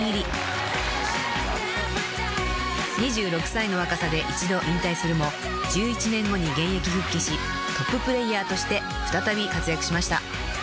［２６歳の若さで一度引退するも１１年後に現役復帰しトッププレーヤーとして再び活躍しました］